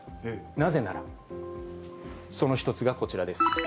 なぜなら、その１つがこちらです。